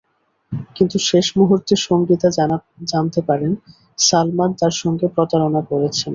কিন্তু শেষ মুহূর্তে সংগীতা জানতে পারেন, সালমান তাঁর সঙ্গে প্রতারণা করেছেন।